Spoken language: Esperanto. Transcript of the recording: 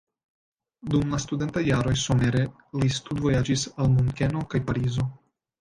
Dum la studentaj jaroj somere li studvojaĝis al Munkeno kaj Parizo.